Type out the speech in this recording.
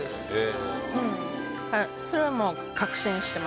それはもう。